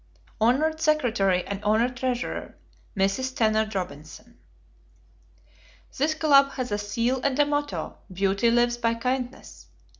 Hon. Secretary and Hon. Treasurer. Mrs. Stennard Robinson. This club has a seal and a motto: "Beauty lives by kindness."